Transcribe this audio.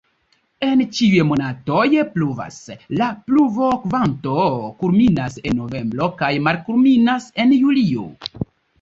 En ĉiuj monatoj pluvas, la pluvokvanto kulminas en novembro kaj malkulminas en julio.